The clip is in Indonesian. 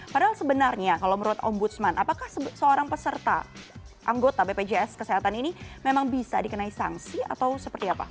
padahal sebenarnya kalau menurut ombudsman apakah seorang peserta anggota bpjs kesehatan ini memang bisa dikenai sanksi atau seperti apa